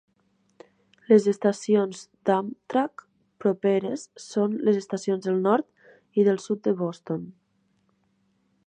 Les estacions d'Amtrak properes són les estacions del Nord i del Sud de Boston.